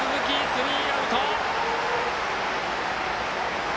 スリーアウト。